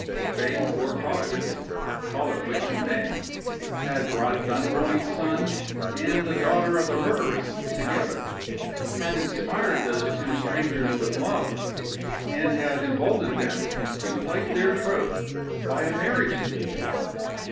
Fate or Providence (call it which we may) had brought Dunboyne's son and the daughter of the murderess together; had inspired those two strangers with love; and had emboldened them to plight their troth by a marriage engagement.